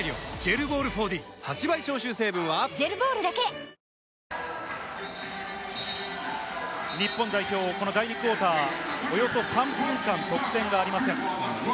ひろうって偉大だな日本代表、この第２クオーター、およそ３分間、得点がありません。